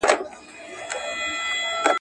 د مور ورځ دې ټولو ميندو ته مبارک شي.